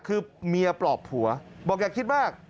คือเมียปลอบผัวบอกอย่าคิดมาก